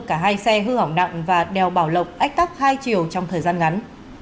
cả hai xe hư hỏng nặng và đèo bảo lộc ách tắc hai chiều trong thời gian ngắn